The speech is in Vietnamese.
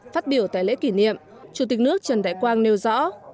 phát biểu tại lễ kỷ niệm chủ tịch nước trần đại quang nêu rõ